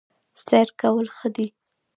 سیر کول ښه دي